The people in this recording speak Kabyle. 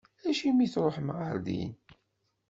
Acimi i tṛuḥem ɣer din?